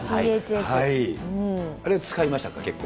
あれは使いましたか、結構。